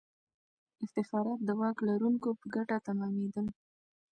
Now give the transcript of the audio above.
افتخارات د واک لرونکو په ګټه تمامېدل.